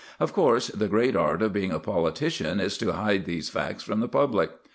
Of course, the great art of being a politician is to hide these facts from the public.